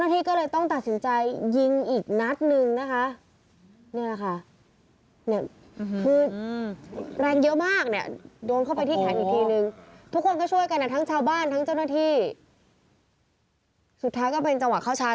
ทั้งเจ้าหน้าที่สุดท้ายก็เป็นจังหวะเข้าชาย